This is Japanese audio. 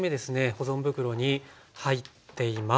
保存袋に入っています。